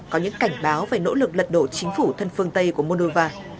có những cảnh báo về nỗ lực lật đổ chính phủ thân phương tây của moldova